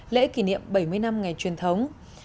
lễ kỷ niệm bảy mươi năm ngày truyền thống